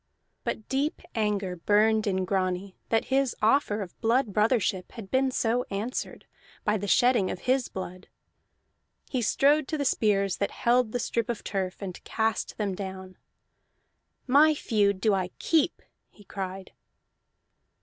But deep anger burned in Grani that his offer of blood brothership had been so answered, by the shedding of his blood. He strode to the spears that held the strip of turf, and cast them down. "My feud do I keep!" he cried.